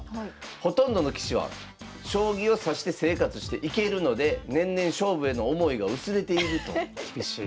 ほとんどの棋士は将棋を指して生活していけるので年々勝負への思いが薄れていると厳しい。